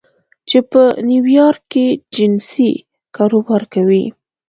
چې په نیویارک کې جنسي کاروبار کوي